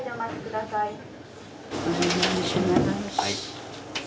はい。